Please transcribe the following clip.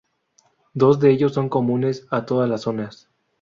Dos de ellos son comunes a todos las zonas.